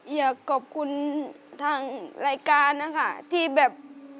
อยากขอบคุณทางรายการนะคะที่แบบ